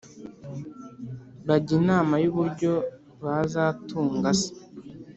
bajya inama y’uburyo bazatunga se.